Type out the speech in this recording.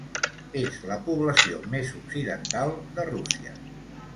És la població més occidental de Rússia.